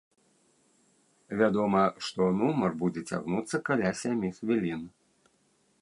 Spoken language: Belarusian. Вядома, што нумар будзе цягнуцца каля сямі хвілін.